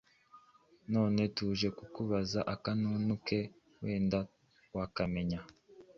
none tuje kukubaza akanunu ke wenda wakamenya.”